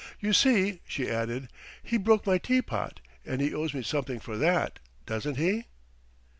"You see," she added, "he broke my teapot, and he owes me something for that, doesn't he?"